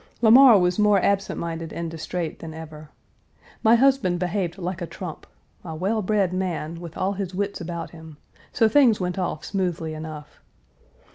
Lamar was more absent minded and distrait than ever. My husband behaved like a trump a well bred man, with all his wits about him; so things went off smoothly enough.